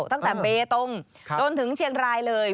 ตั้งแต่เบตงจนถึงเชียงรายเลย